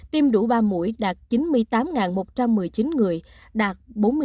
tiêm đủ ba mũi đạt chín mươi tám một trăm một mươi chín người đạt bốn mươi sáu hai